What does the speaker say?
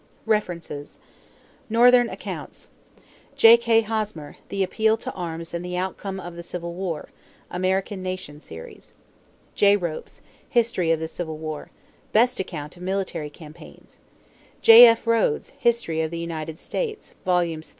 =References= NORTHERN ACCOUNTS J.K. Hosmer, The Appeal to Arms and The Outcome of the Civil War (American Nation Series). J. Ropes, History of the Civil War (best account of military campaigns). J.F. Rhodes, History of the United States, Vols.